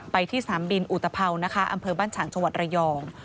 ไปที่สนามบินอุตภัวนะคะอำเภอบ้านฉางจังหวัดระยอง